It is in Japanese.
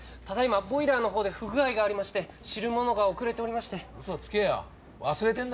ただいまボイラーのほうで不具合がありまして汁物が遅れておりまして。